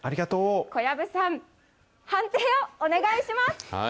小籔さん、判定をお願いします。